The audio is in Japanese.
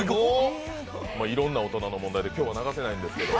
いろんな大人の問題で今日は流せないんですけど。